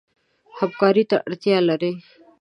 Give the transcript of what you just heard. همکارۍ ته اړتیا لري.